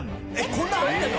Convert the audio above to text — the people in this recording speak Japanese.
こんな入ってるの！？